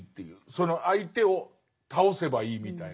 その相手を倒せばいいみたいな。